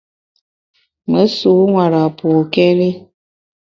Me nsu nwera pôkéri.